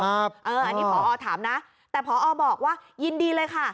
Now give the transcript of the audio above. อันนี้พอถามนะแต่พอบอกว่ายินดีเลยค่ะ